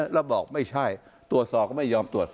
แล้วบอกไม่ใช่ตรวจสอบก็ไม่ยอมตรวจสอบ